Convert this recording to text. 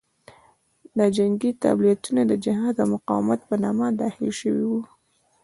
دا جنګي تابلیتونه د جهاد او مقاومت په نامه داخل شوي وو.